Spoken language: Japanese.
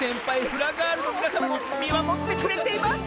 フラガールのみなさまもみまもってくれています！